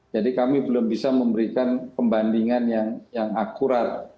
jadi kami belum bisa memberikan pembandingan yang akurat